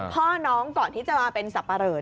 พ่อน้องก่อนที่จะมาเป็นสับปะเหลอ